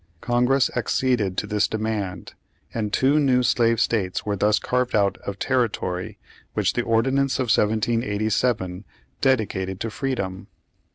Congress acceded to this demand, and two new slave states were thus carved out of territory which the Ordinance of 1787 dedicated to freedom.